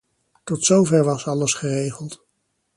Tot zover was alles geregeld.